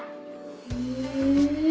へえ！